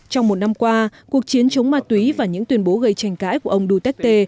trong một năm qua cuộc chiến chống ma túy và những tuyên bố gây tranh cãi của ông duterte